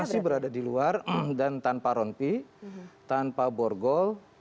masih berada di luar dan tanpa rompi tanpa borgol